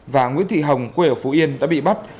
và nguyễn thị hồng quê ở phú yên đã bị bắt